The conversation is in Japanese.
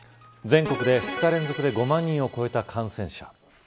全国で２日連続で５万人を超えた感染者。